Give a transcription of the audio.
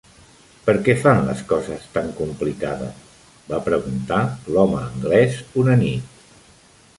"Per què fan les coses tan complicades?", va preguntar l'home anglès una nit.